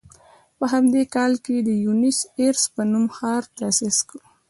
په همدې کال یې د بونیس ایرس په نوم ښار تاسیس کړ.